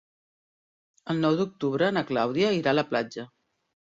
El nou d'octubre na Clàudia irà a la platja.